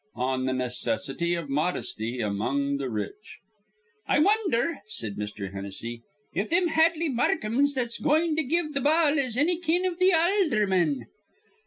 ON THE NECESSITY OF MODESTY AMONG THE RICH. "I wondher," said Mr. Hennessy, "if thim Hadley Markhams that's goin' to give th' ball is anny kin iv th' aldherman?"